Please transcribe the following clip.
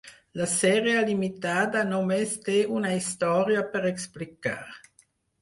La sèrie limitada només té una història per explicar.